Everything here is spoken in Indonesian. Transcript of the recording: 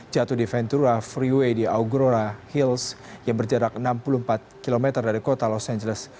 jatuh di ventura freeway di augrora hills yang berjarak enam puluh empat km dari kota los angeles